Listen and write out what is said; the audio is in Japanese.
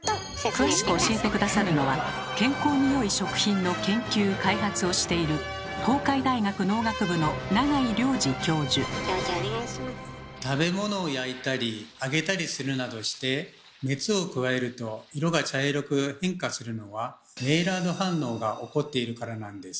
詳しく教えて下さるのは健康に良い食品の研究・開発をしている食べ物を焼いたり揚げたりするなどして熱を加えると色が茶色く変化するのは「メイラード反応」が起こっているからなんです。